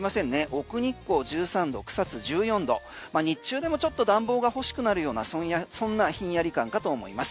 奥日光１３度、草津１４度日中でもちょっと暖房が欲しくなるようなそんなひんやり感かと思います。